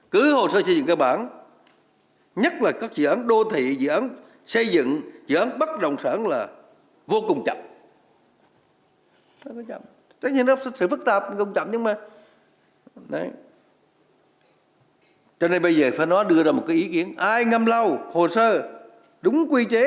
cứ hồ sơ xây dựng cơ bản nhất là các dự án đô thị dự án xây dựng dự án bắt đầu xây dựng